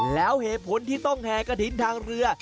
แล้วเหตุผลที่ต้องแห่กระถิ่นทางเรือ